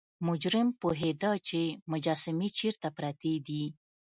مجرم پوهیده چې مجسمې چیرته پرتې دي.